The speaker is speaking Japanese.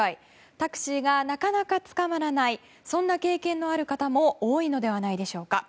タクシーがなかなか捕まらないそんな経験のある方も多いのではないでしょうか。